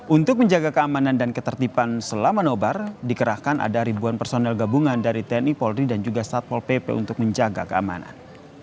untuk menjaga keamanan dan ketertiban selama nobar dikerahkan ada ribuan personel gabungan dari tni polri dan juga satpol pp untuk menjaga keamanan